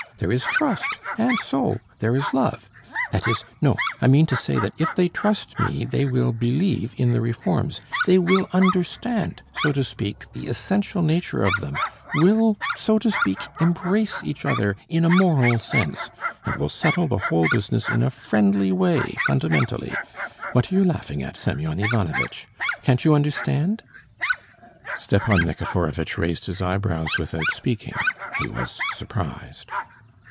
There is trust, and so there is love ... that is, no, I mean to say that if they trust me they will believe in the reforms, they will understand, so to speak, the essential nature of them, will, so to speak, embrace each other in a moral sense, and will settle the whole business in a friendly way, fundamentally. What are you laughing at, Semyon Ivanovitch? Can't you understand?" Stepan Nikiforovitch raised his eyebrows without speaking; he was surprised.